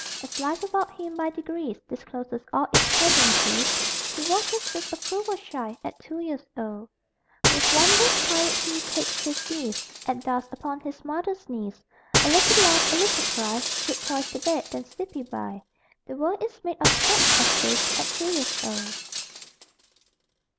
As life about him, by degrees Discloses all its pageantries He watches with approval shy At two years old. With wonders tired he takes his ease At dusk, upon his mother's knees: A little laugh, a little cry, Put toys to bed, then "seepy bye" The world is made of such as these At two years old.